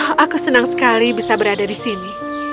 oh aku senang sekali bisa berada di sini